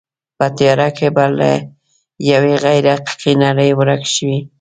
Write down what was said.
په تیاره کې به له یوې غیر حقیقي نړۍ ورک شوې.